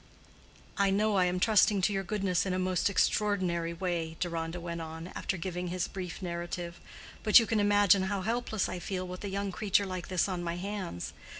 "I know I am trusting to your goodness in a most extraordinary way," Deronda went on, after giving his brief narrative; "but you can imagine how helpless I feel with a young creature like this on my hands.